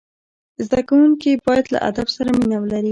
زدهکوونکي باید له ادب سره مینه ولري.